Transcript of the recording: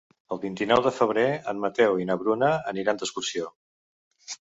El vint-i-nou de febrer en Mateu i na Bruna aniran d'excursió.